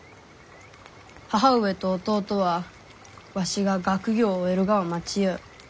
母上と弟はわしが学業を終えるがを待ちゆう。